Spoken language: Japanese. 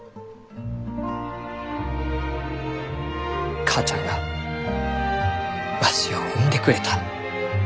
お母ちゃんがわしを生んでくれた。